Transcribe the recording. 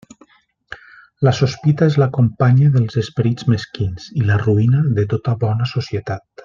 La sospita és la companya dels esperits mesquins, i la ruïna de tota bona societat.